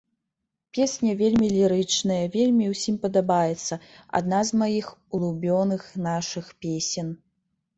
Песня вельмі лірычная, вельмі ўсім падабаецца, адна з маіх улюбёных нашых песень.